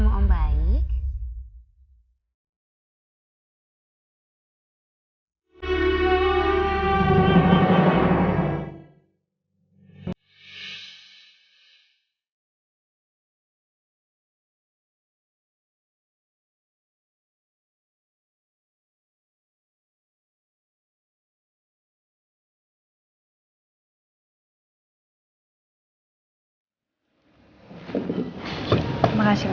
untuk memberikan kesaksian